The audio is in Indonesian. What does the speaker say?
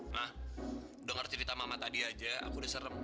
nah dengar cerita mama tadi aja aku udah serem